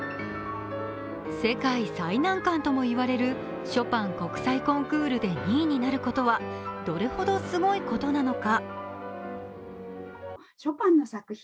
世界最難関とも言われるショパン国際コンクールで２位になることは、どれほどすごいことなのか。